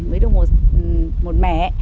mới được một mẻ